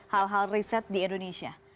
hal hal riset di indonesia